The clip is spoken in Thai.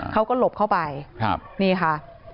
เขาก็หลบเข้าไปนี่ค่ะ